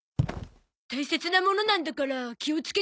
大切なものなんだから気をつけてよね。